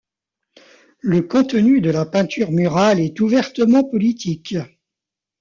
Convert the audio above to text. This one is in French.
Le contenu de la peinture murale est ouvertement politique.